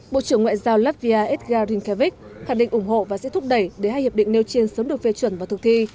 bộ trưởng ngoại giao latvia edgar rinkiewicz khẳng định ủng hộ và sẽ thúc đẩy để hai hiệp định nêu chiên sớm được phê chuẩn vào thực thi